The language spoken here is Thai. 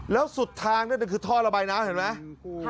แล้วสุดทางนั่นคือท่อระบายน้ำเห็นไหม